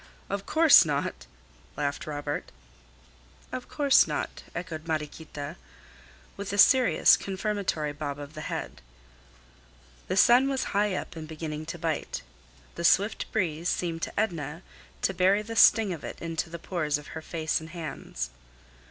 "Of course not," laughed Robert. "Of course not," echoed Mariequita, with a serious, confirmatory bob of the head. The sun was high up and beginning to bite. The swift breeze seemed to Edna to bury the sting of it into the pores of her face and hands.